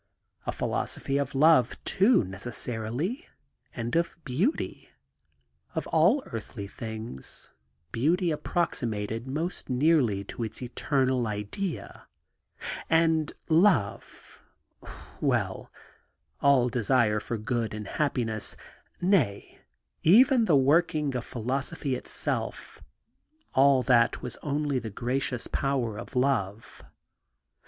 A philosophy of love, too, neces sarily I — and of beauty. Of all earthly things beauty approximated most nearly to its eternal idea : and love 1 — well, all desire for good and happiness, nay, even the working of philosophy itself— all that was only the gracious power of love.